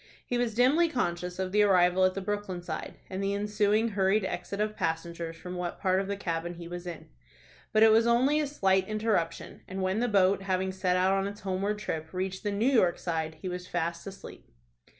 He was dimly conscious of the arrival at the Brooklyn side, and the ensuing hurried exit of passengers from that part of the cabin in which he was, but it was only a slight interruption, and when the boat, having set out on its homeward trip, reached the New York side, he was fast asleep.